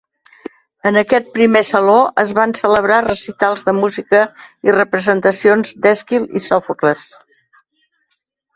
En aquest primer Saló es van celebrar recitals de música i representacions d'Èsquil i Sòfocles.